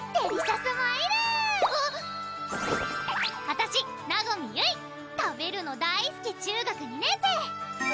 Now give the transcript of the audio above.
あたし和実ゆい食べるの大すき中学２年生